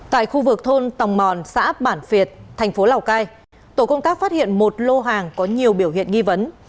tại khu vực thôn tòng mòn xã bản phiệt tp lào cai tổ công tác phát hiện một lô hàng có nhiều biểu hiện nghi vấn